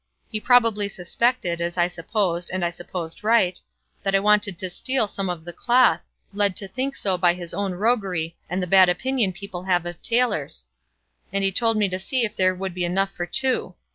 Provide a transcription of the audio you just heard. He probably suspected as I supposed, and I supposed right that I wanted to steal some of the cloth, led to think so by his own roguery and the bad opinion people have of tailors; and he told me to see if there would be enough for two.